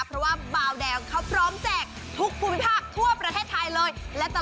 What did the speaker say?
เพราะว่าบาวแดงเขาพร้อมแจกทุกภูมิภาคทั่วประเทศไทยเลย